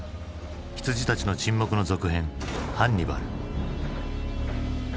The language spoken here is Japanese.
「羊たちの沈黙」の続編「ハンニバル」。